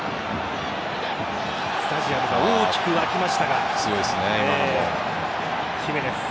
スタジアムが大きく沸きましたが。